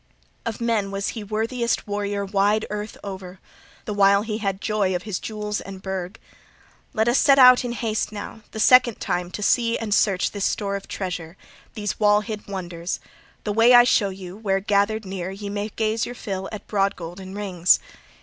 Of men was he worthiest warrior wide earth o'er the while he had joy of his jewels and burg. Let us set out in haste now, the second time to see and search this store of treasure, these wall hid wonders, the way I show you, where, gathered near, ye may gaze your fill at broad gold and rings.